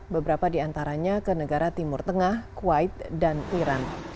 beberapa di antaranya ke negara timur tengah kuwait dan iran